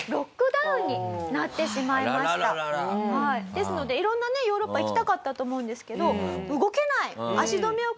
ですので色んなねヨーロッパ行きたかったと思うんですけど動けない。